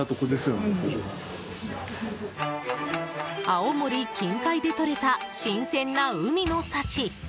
青森近海でとれた新鮮な海の幸。